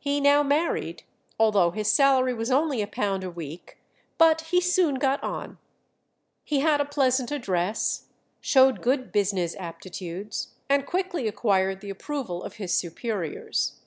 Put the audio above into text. He now married, although his salary was only a pound a week; but he soon got on. He had a pleasant address, showed good business aptitudes, and quickly acquired the approval of his superiors.